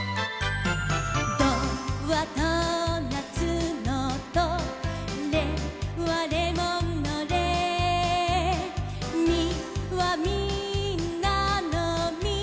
「ドはドーナツのドレはレモンのレ」「ミはみんなのミ」